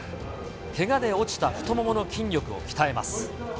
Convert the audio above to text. けがで落ちた太ももの筋力を鍛えます。